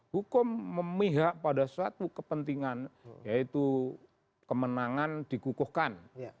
hukum memihak pada suatu kepentingan yaitu kemenangan dikukuhkan